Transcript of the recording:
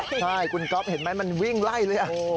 ใช่คุณก๊อฟเห็นไหมมันวิ่งไล่เลย